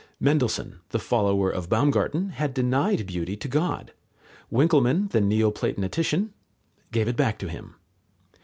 Mendelssohn, the follower of Baumgarten, had denied beauty to God: Winckelmann, the Neoplatonician, gave it back to Him.